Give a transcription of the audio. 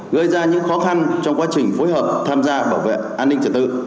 hình phối hợp tham gia bảo vệ an ninh trật tự